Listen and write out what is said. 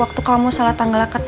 waktu kamu salah tanggal hingga nikah